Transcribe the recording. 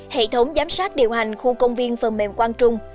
hệ thống giám sát điều hành khu công viên phần mềm quang trung